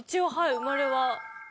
生まれは。